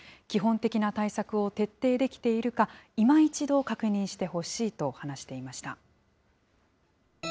基本的な対策を徹底できているか、いま一度確認してほしいと話していました。